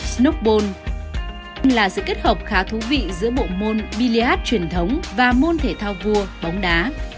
snokball là sự kết hợp khá thú vị giữa bộ môn billiard truyền thống và môn thể thao vua bóng đá